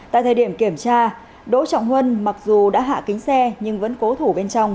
tại thời điểm kiểm tra đỗ trọng huân mặc dù đã hạ kính xe nhưng vẫn cố thủ bên trong